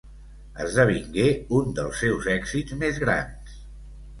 Esdevingué un dels seus èxits més grans.